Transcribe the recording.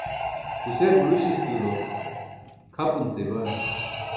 guseer buruśiskilo kʰapun seya baan.